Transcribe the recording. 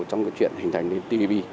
trong cái chuyện hình thành tpp